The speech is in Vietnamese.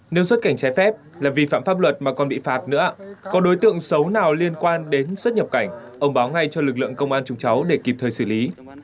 nếu xuất cảnh trái phép là vi phạm pháp luật mà còn bị phạt nữa có đối tượng xấu nào liên quan đến xuất nhập cảnh ông báo ngay cho lực lượng công an chúng cháu để kịp thời xử lý